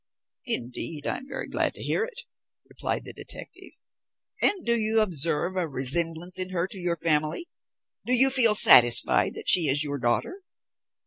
"Indeed, I am very glad to hear it," replied the detective. "And do you observe a resemblance in her to your family; do you feel satisfied that she is your daughter?"